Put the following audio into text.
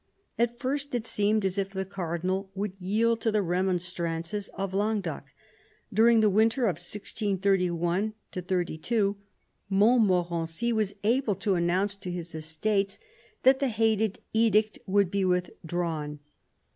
At first it seemed as if the Cardinal would yield to the remonstrances of Languedoc. During the winter of 163 1 2 Montmorency was able to announce to his Estates that the hated edict would be withdrawn.